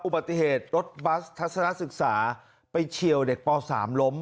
อุบัติเหตุรถบัสทัศนศึกษาไปเฉียวเด็กป๓ล้ม